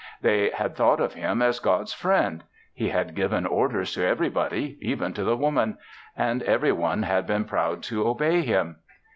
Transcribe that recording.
They had thought of him as God's friend. He had given orders to everybody even to the Woman; and everyone had been proud to obey him.